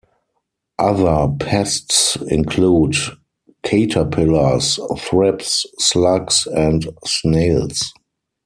Other pests include caterpillars, thrips, slugs and snails.